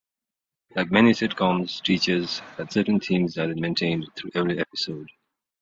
Like many sitcoms "Teachers" had certain themes that it maintained through every episode.